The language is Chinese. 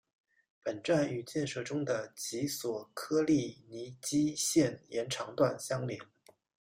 本站与建设中的及索科利尼基线延长段相连。